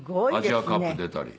アジアカップ出たり。